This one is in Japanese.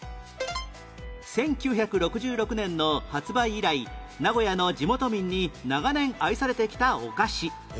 １９６６年の発売以来名古屋の地元民に長年愛されてきたお菓子